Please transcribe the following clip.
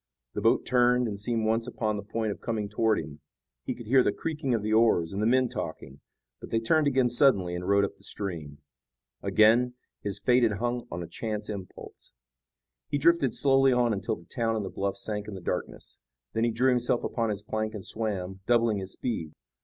The boat turned, and seemed once upon the point of coming toward him. He could hear the creaking of the oars and the men talking, but they turned again suddenly and rowed up the stream. Again, his fate had hung on a chance impulse. He drifted slowly on until the town and the bluffs sank in the darkness. Then he drew himself upon his plank and swam, doubling his speed.